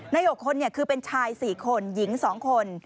ใน๖คนคือเป็นชาย๔คนหญิง๒คน